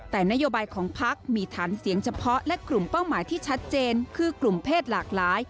แต่นโยบายของพักมีฐานเสียงเฉพาะและกลุ่มเป้าหมายที่ชัดเจนคือกลุ่มเพศหลากหลาย